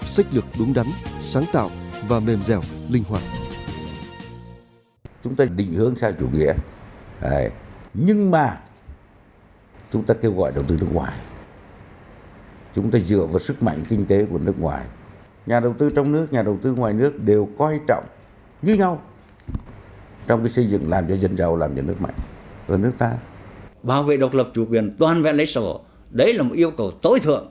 sách lược đúng đắn sáng tạo và mềm dẻo linh hoạt